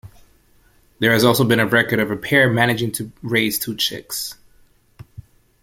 There has also been a record of a pair managing to raise two chicks.